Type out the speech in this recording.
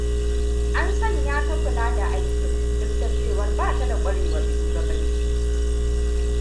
An sanya ta kula da aikin, duk da cewar ba ta da kwarewar shugabanci.